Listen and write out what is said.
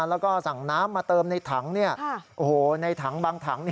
แล้วก็สั่งน้ำมาเติมในถังในถังบางถัง